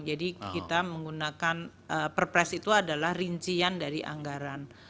jadi kita menggunakan perpres itu adalah rincian dari anggaran